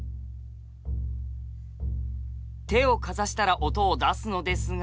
手をかざしたら音を出すのですが。